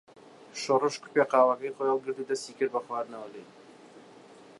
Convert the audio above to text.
شۆڕش کووپی قاوەکەی خۆی هەڵگرت و دەستی کرد بە خواردنەوە لێی.